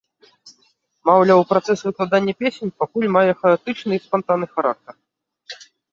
Маўляў, працэс выкладання песень пакуль мае хаатычны і спантанны характар.